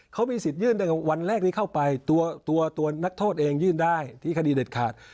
เขามีสิทธิยื่นตั้งแต่วันแรกนี้เข้าไปตัวตัวนักโทษเองยื่นได้ที่คดีเด็ดขาด